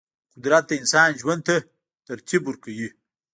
قدرت د انسان ژوند ته ترتیب ورکوي.